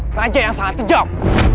kerajaan yang sangat tejam